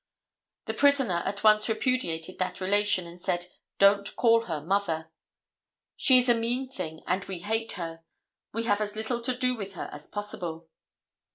The prisoner at once repudiated that relation and said, "Don't call her mother. She is a mean thing, and we hate her. We have as little to do with her as possible."